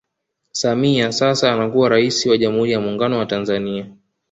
Samia sasa anakuwa Rais wa jamhuri ya Muungano wa Tanzania